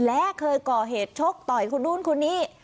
และเคยก่อเหตุชกต่อยคนนู้นคนนี้